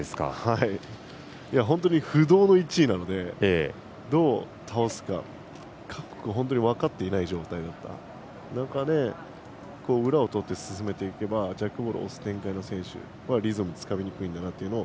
本当に不動の１位なのでどう倒すか、各国本当に分かっていない状態だった中で裏をとって進めていけばジャックボールを押す展開の選手はリズムをつかみにくいんだなというのを。